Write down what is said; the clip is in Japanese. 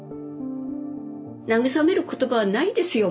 慰める言葉はないですよ